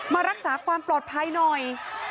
มารักษาความปลอดภัยหน่อย